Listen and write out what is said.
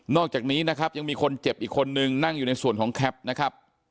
อกจากนี้นะครับยังมีคนเจ็บอีกคนนึงนั่งอยู่ในส่วนของแคปนะครับ